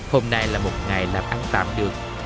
hôm nay là một ngày làm ăn tạm được